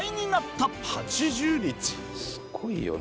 すごいよな。